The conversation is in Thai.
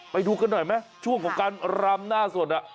ไปดูกันหน่อยไหมช่วงของการรำหน้าสด